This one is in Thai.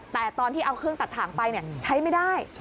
แต่ตอนที่เอาเครื่องตัดถ่างไปใช้ไม่ได้